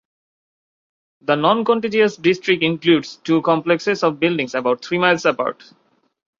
The noncontiguous district includes two complexes of buildings about three miles apart.